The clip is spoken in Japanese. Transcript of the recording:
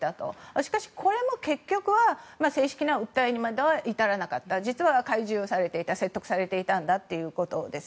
しかし、これも結局は正式な訴えにまでは至らなかった実は懐柔されていた説得されていたんだということです。